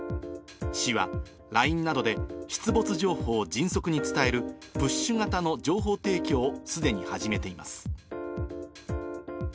市は、ＬＩＮＥなどで出没情報を迅速に伝える、プッシュ型の情報提供をすでに始めています。